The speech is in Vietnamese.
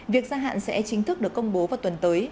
việc gia hạn sẽ chính thức được công bố vào tuần tới